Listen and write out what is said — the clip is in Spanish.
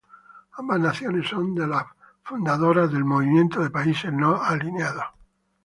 Ambas naciones son las fundadoras del Movimiento de Países No Alineados.